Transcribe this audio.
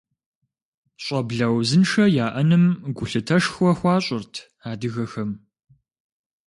Щӏэблэ узыншэ яӏэным гулъытэшхуэ хуащӏырт адыгэхэм.